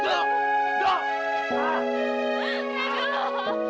jangan jadi pengecut dok